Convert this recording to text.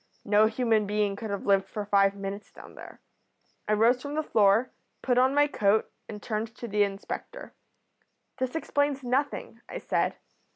No human being could have lived for five minutes down there. "I rose from the floor, put on my coat, and turned to the inspector. 'This explains nothing,' I said.